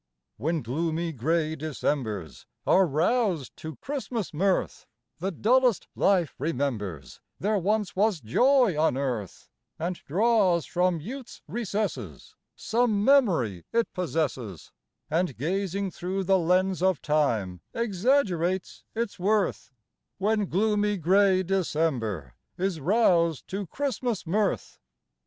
When gloomy, gray Decembers are roused to Christmas mirth, The dullest life remembers there once was joy on earth, And draws from youth's recesses Some memory it possesses, And, gazing through the lens of time, exaggerates its worth, When gloomy, gray December is roused to Christmas mirth.